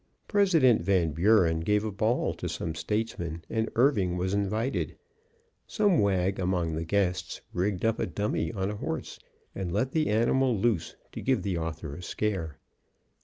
President Van Buren gave a ball to some statesmen, and Irving was invited. Some wag among the guests rigged up a dummy on a horse, and let the animal loose to give the author a scare.